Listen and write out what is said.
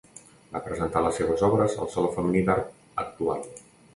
Va presentar les seves obres al Saló femení d'art actual.